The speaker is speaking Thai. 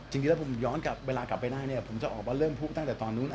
จริงแล้วผมย้อนกลับเวลากลับไปได้เนี่ยผมจะออกว่าเริ่มพูดตั้งแต่ตอนนู้น